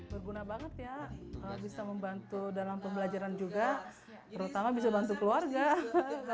berguna banget ya bisa membantu dalam pembelajaran juga terutama bisa bantu keluarga